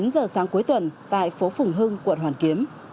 chín giờ sáng cuối tuần tại phố phùng hưng quận hoàn kiếm